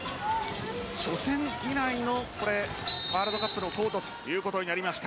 初戦以来のワールドカップのコートとなりました。